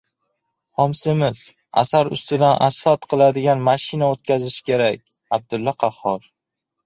Xomsemiz asar ustidan asfalt qiladigan mashina o‘tkazish kerak. Abdulla Qahhor